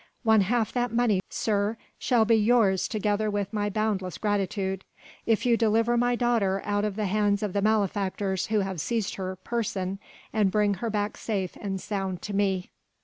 One half that money, sir, shall be yours together with my boundless gratitude, if you deliver my daughter out of the hands of the malefactors who have seized her person and bring her back safe and sound to me."